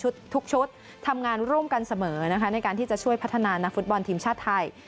ทุกชุดทำงานร่วมกันเสมอนะคะในการที่จะช่วยพัฒนานักฟุตบอลทีมชาติไทย